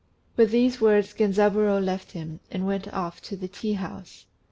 With these words Genzaburô left him, and went off to the tea house.